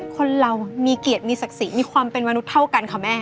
คนเรามีเกียรติมีศักดิ์ศรีมีความเป็นมนุษย์เท่ากันค่ะแม่